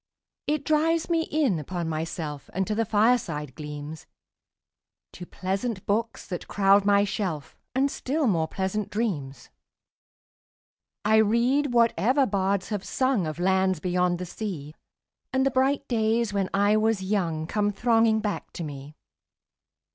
It drives me in upon myself 5 And to the fireside gleams, To pleasant books that crowd my shelf, And still more pleasant dreams. I read whatever bards have sung Of lands beyond the sea, 10 And the bright days when I was young Come thronging back to me.